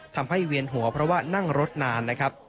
เวียนหัวเพราะว่านั่งรถนานนะครับ